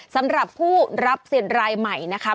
สำหรับผู้รับสิทธิ์รายใหม่นะคะ